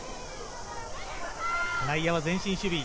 内野は前進守備。